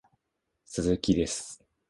鈴木です